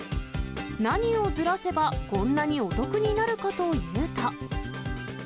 何をずらせば、こんなにお得になるかというと。